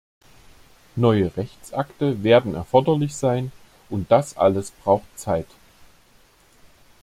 Neue Rechtsakte werden erforderlich sein, und das alles braucht Zeit.